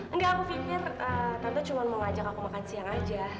enggak aku pikir tante cuma mau ngajak aku makan siang aja